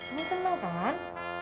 kamu senang kan